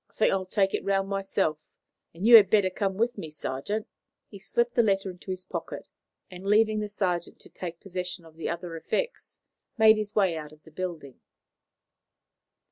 "I think I'll take it round myself, and you had better come with me, sergeant." He slipped the letter into his pocket, and, leaving the sergeant to take possession of the other effects, made his way out of the building.